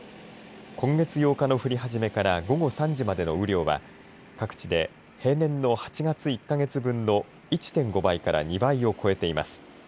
今月８日の降り始めから午後３時までの雨量は各地で平年の８月１か月分の１．５倍から２倍を超えています。